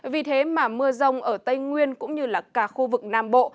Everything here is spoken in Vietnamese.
vì thế mà mưa rông ở tây nguyên cũng như là cả khu vực nam bộ